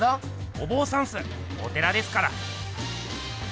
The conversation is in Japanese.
おぼうさんっすお寺ですから。